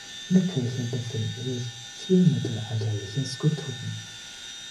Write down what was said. In der Kirche befinden sich vier mittelalterliche Skulpturen.